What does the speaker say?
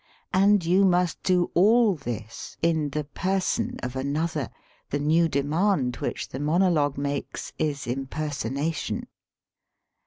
And you must do all this in the per son of another. The new demand which the . (Z monologue makes is impersonation